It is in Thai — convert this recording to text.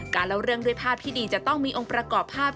เล่าเรื่องด้วยภาพที่ดีจะต้องมีองค์ประกอบภาพ